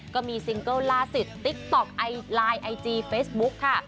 ซิงเกิลล่าสุดติ๊กต๊อกไอไลน์ไอจีเฟซบุ๊คค่ะ